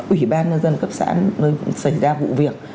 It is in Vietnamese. ủy ban dân cấp xã nó cũng xảy ra vụ việc